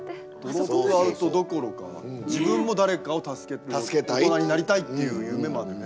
ドロップアウトどころか自分も誰かを助ける大人になりたいっていう夢もあってね。